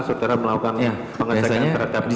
saudara melakukan pengecekan terhadap nadi dan nafas